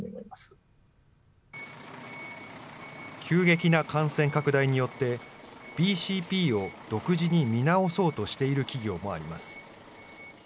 急激な感染拡大によって、ＢＣＰを独自に見直そうとしている企業もあります。